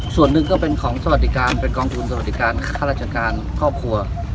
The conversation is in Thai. ส่วนหนึ่งก็เป็นของสวัสดิการเป็นกองทุนสวัสดิการข้าราชการครอบครัว